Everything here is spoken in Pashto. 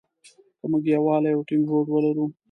که مونږ يووالی او ټينګ هوډ ولرو.